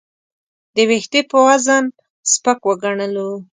د وېښتې په وزن سپک وګڼلو.